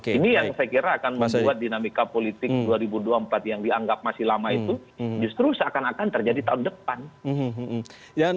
ini yang saya kira akan membuat dinamika politik dua ribu dua puluh empat yang dianggap masih lama itu justru seakan akan terjadi tahun depan